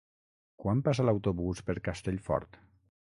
Quan passa l'autobús per Castellfort?